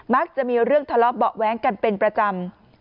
มักจะมีเรื่องทะเลาะเบาะแว้งกันเป็นประจำ